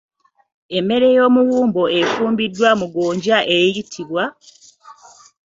Emmere y'omuwumbo efumbiddwa mu ggonja eyitibwa?